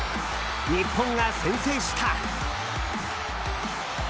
日本が先制した。